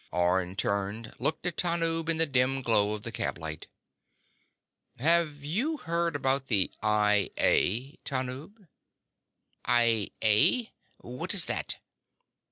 Orne turned, looked at Tanub in the dim glow of the cab light. "Have you heard about the I A, Tanub?" "I A? What is that?"